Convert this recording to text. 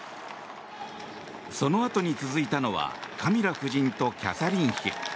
そのあとに続いたのはカミラ夫人とキャサリン妃。